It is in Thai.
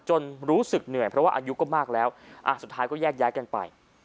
รู้สึกเหนื่อยเพราะว่าอายุก็มากแล้วสุดท้ายก็แยกย้ายกันไป